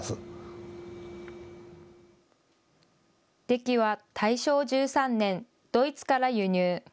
デキは大正１３年、ドイツから輸入。